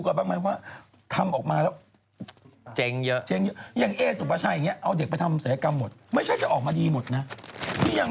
ก็เพราะฉะนั้นวันนี้การทิกโกสนาเกินจริง